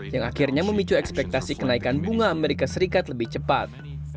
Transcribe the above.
yang akhirnya memicu ekspektasi kenaikan bunga amerika serikat lebih cepat